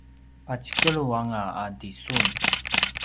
pacikelu anga a tisun